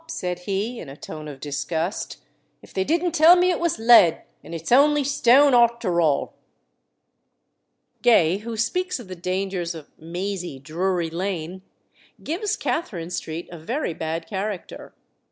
said he, in a tone of disgust, "if they didn't tell me it was lead, and it's only stone arter all!" Gay, who speaks of the dangers of "mazy Drury Lane," gives Catherine Street a very bad character.